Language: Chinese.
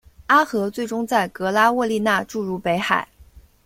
阿河最终在格拉沃利讷注入北海。